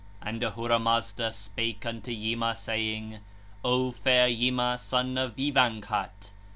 And Ahura Mazda spake unto Yima, saying: 'O fair Yima, son of Vîvanghat!